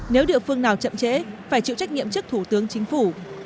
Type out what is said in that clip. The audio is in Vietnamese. nếu địa phương nào chậm trễ phải chịu trách nhiệm trước thủ tướng chính phủ